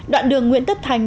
đoạn đường nguyễn tất thành